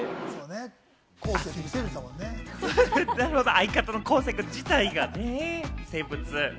相方の昴生君自体がね、微生物と。